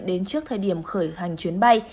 đến trước thời điểm khởi hành chuyến bay